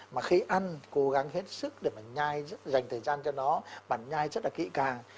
mà khi ăn cố gắng hết sức để mà nhai dành thời gian cho nó bản nhai rất là kỹ càng